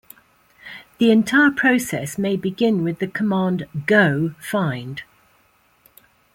The entire process may begin with the command Go find!